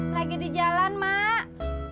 lagi di jalan mak